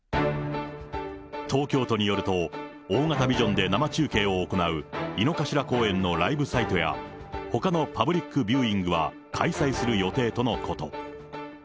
東京都によると、大型ビジョンで生中継を行う井の頭公園のライブサイトや、ほかのパブリックビューイングは開催する予定とのこと。